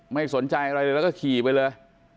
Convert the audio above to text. ไม่สนใจอะไรเลยแล้วก็ขี่ไปเลย